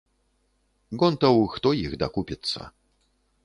Гонтаў хто іх дакупіцца.